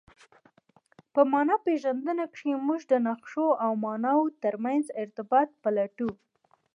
په مانا پېژندنه کښي موږ د نخښو او ماناوو ترمنځ ارتباط پلټو.